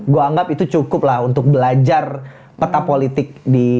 gue anggap itu cukup lah untuk belajar peta politik di